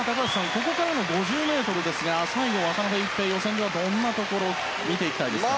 ここからの５０ｍですが最後、渡辺一平予選ではどんなところを見ていきたいですか。